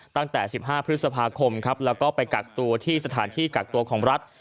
ตั้งแต่๑๕พฤษภาคมครับแล้วก็ไปกักตัวที่สถานที่กักตัวของรัฐ